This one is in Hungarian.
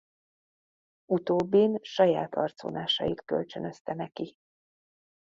Utóbbin saját arcvonásait kölcsönözte neki.